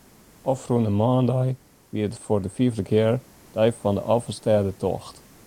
Ofrûne moandei wie it foar de fiifde kear de ‘Dei fan de Alvestêdetocht’.